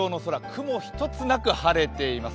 雲一つなく晴れています。